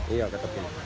iya ke tepi